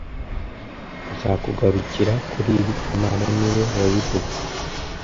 Nzakugarukira kuri ibi kamana niwe wabivuze